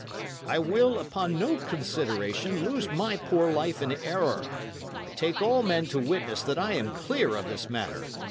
I will, upon no consideration, lose my poor life in error. I take all men to witness that I am clear of this matter.